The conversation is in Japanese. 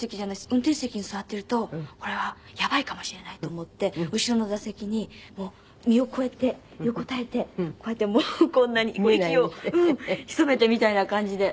運転席に座ってるとこれはやばいかもしれないと思って後ろの座席に身をこうやって横たえてこうやってこんなに息を潜めてみたいな感じで。